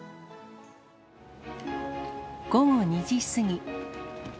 午後２時過ぎ。